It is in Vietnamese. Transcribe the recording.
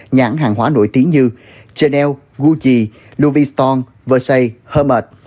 nhãn hàng hóa nổi tiếng như chanel gucci louis vuitton versailles hermès